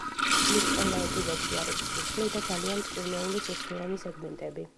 მის ყველა ეპიზოდში არის სისხლი და ძალიან მტკივნეული, სისხლიანი სეგმენტები.